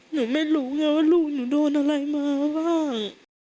หนูไม่รู้ไงว่าลูกหนูโดนอะไรมาบ้าง